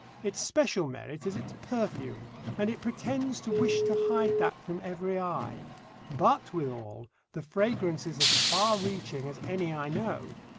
Its special merit is its perfume, and it pretends to wish to hide that from every eye. But, withal, the fragrance is as far reaching as any I know.